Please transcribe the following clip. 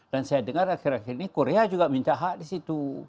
dan saya dengar akhir akhir ini korea juga minta hak di situ